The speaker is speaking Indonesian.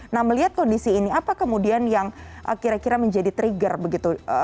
nah melihat kondisi ini apa kemudian yang kira kira menjadi trigger begitu